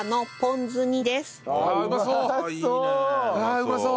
うまそう。